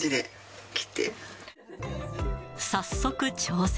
早速、挑戦。